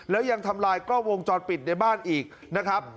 แล้วยังทำลายกล้องวงจรปิดในบ้านอีกนะครับ